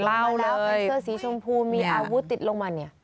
เล่าเป็นเสื้อสีชมพูมีอาวุธติดลงมา